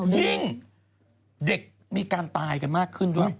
ยิ่งเด็กมีการตายกันมากขึ้นด้วย